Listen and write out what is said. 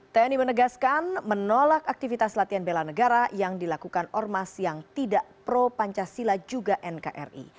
tni menegaskan menolak aktivitas latihan bela negara yang dilakukan ormas yang tidak pro pancasila juga nkri